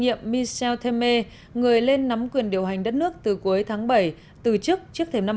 nhiệm michel temer người lên nắm quyền điều hành đất nước từ cuối tháng bảy từ chức trước thêm năm